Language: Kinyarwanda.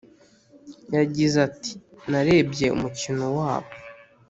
yagize ati “narebye umukino wabo